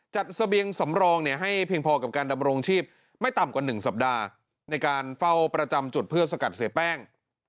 เสบียงสำรองให้เพียงพอกับการดำรงชีพไม่ต่ำกว่า๑สัปดาห์ในการเฝ้าประจำจุดเพื่อสกัดเสียแป้ง